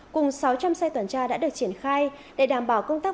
cùng sáu trăm linh xe tuần tra đã được triển khai để đảm bảo công tác